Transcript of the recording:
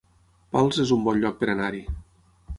Pals es un bon lloc per anar-hi